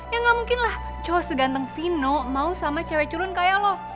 ya gak mungkin lah cowok seganteng vino mau sama cewek culun kayak lo